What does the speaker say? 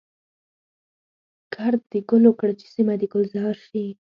کرد د ګلو کړه چي سیمه د ګلزار شي.